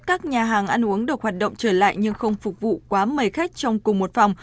các nhà hàng ăn uống được hoạt động trở lại nhưng không phục vụ quá mời khách trong cùng một phòng